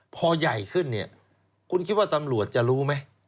พอใหญ่ขึ้นเนี่ยคุณคิดว่าตำรวจจะรู้ไหม